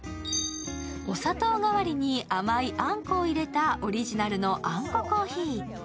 お砂糖代わりに甘いあんこを入れたオリジナルのあんこコーヒー。